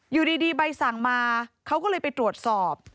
อยู่ดีใบสั่งมาเขาก็เลยไปตรวจสอบ